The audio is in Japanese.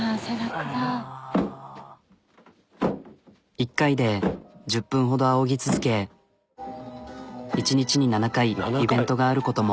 １回で１０分ほどあおぎ続け１日に７回イベントがあることも。